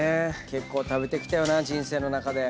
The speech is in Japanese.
結構食べてきたよな人生の中で。